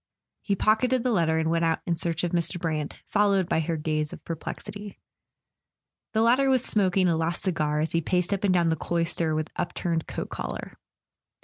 He pocketed the letter and w T ent out in search of Mr. Brant, followed by her gaze of perplexity. The latter was smoking a last cigar as he paced up and down the cloister with upturned coat collar.